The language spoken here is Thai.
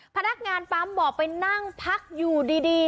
พนักงานปั๊มบอกไปนั่งพักอยู่ดี